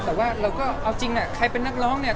แต่ว่าเราก็เอาจริงใครเป็นนักร้องเนี่ย